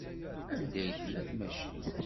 Anda ay tella tmacint?